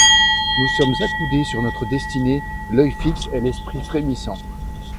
Nous sommes accoudés sur notre destinée, L’œil fixe et l’esprit frémissant.